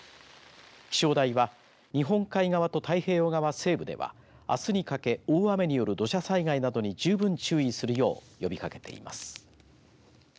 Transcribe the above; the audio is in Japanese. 気象台は日本海側と太平洋側西部ではあすにかけ大雨による土砂災害などに十分注意するよう呼びかけています。